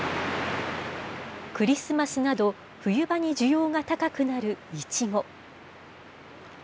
クリスマスなど、冬場に需要が高くなるイチゴ。